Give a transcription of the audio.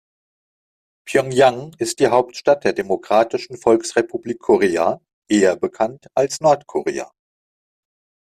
Pjöngjang ist die Hauptstadt der Demokratischen Volksrepublik Korea, eher bekannt als Nordkorea.